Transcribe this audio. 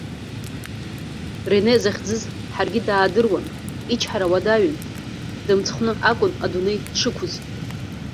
Рене захьӡыз ҳаргьы даадыруан, ичҳара уадаҩын, дымцхәны акәын адунеи дшықәыз.